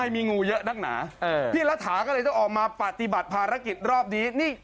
มีงูเยอะนักหนาพี่รัฐาก็เลยต้องออกมาปฏิบัติภารกิจรอบนี้